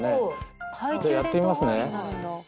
じゃあやってみますね。